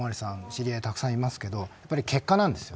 知り合い、たくさんいますけれどやはり結果なんです。